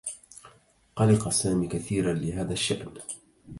قلق سامي كثيرا لهذا الشّأن.